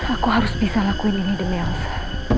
aku harus bisa lakuin ini demi aung sir